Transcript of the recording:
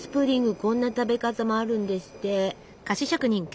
こんな食べ方もあるんですって。